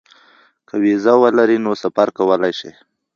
که وېزه ولري نو سفر کولی شي.